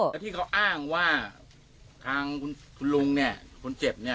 แล้วที่เขาอ้างว่าทางคุณลุงเนี่ยคนเจ็บเนี่ย